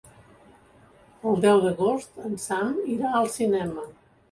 El deu d'agost en Sam irà al cinema.